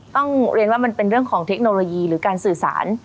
ต้องเรียนว่ามันเป็นเรื่องของเทคโนโลยีหรือการสื่อสาร